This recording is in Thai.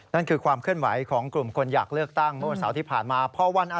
นั่นคือความเคลื่อนไหวของกลุ่มคนอยากเลือกตั้งเมื่อวันเสาร์ที่ผ่านมาพอวันอา